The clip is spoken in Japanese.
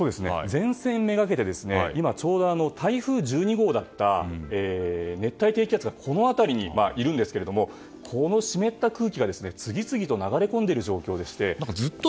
前線めがけて今ちょうど台風１２号だった熱帯低気圧がいるんですがこの湿った空気が次々と流れ込んでいる状況でして。